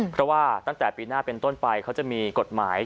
เพราะว่าตั้งแต่ปีหน้าเป็นต้นไปเขาจะมีกฎหมาย